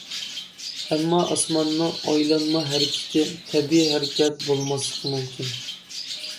ئەمما ئاسماننىڭ ئايلانما ھەرىكىتى تەبىئىي ھەرىكەت بولماسلىقى مۇمكىن.